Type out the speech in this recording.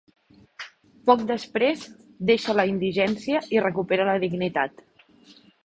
Poc després, deixa la indigència i recupera la dignitat.